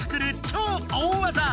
超大技！